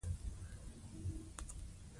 نو خيال مې راغے چې نن موقع ده ـ